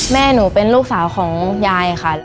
แม่หนูเป็นลูกสาวของยายค่ะ